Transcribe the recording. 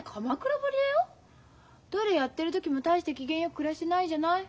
どれやってる時も大して機嫌よく暮らしてないじゃない。